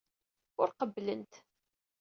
Ur qebblent.